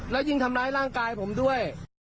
แล้วยิ่งทำร้ายร่างกายผมด้วย